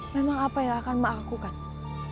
memang apa yang akan melakukan